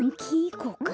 こうか？